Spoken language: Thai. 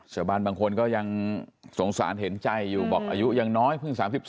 ชาวบ้านบางคนก็ยังสงสารเห็นใจอยู่บอกอายุยังน้อยเพิ่ง๓๒